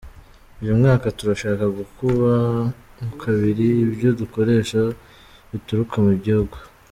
Uyu mwaka turashaka gukuba kabiri ibyo dukoresha bituruka mu gihugu.